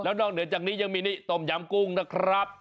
นอกเหนือจากนี้ยังมีนี่ต้มยำกุ้งนะครับ